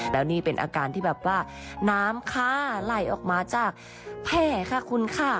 แล้วนี่เป็นอาการที่แบบว่าน้ำค่ะไหลออกมาจากแพร่ค่ะคุณค่ะ